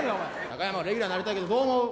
高山レギュラーになりたいけどどう思う？